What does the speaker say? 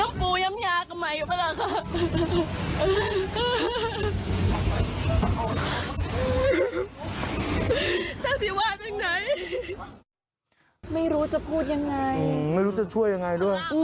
คุณผู้ชมได้แต่เห็นคุณผู้หญิงทั้งหลังไม่รู้จะพูดยังไง